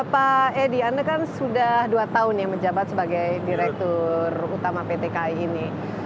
pak edi anda kan sudah dua tahun ya menjabat sebagai direktur utama pt kai ini